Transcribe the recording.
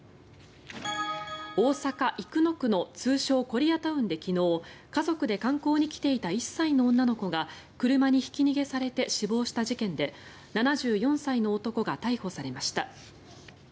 大阪・生野区の通称・コリアタウンで昨日家族で観光に来ていた１歳の女の子が車にひき逃げされて死亡した事件で７４歳の男が逮捕されました。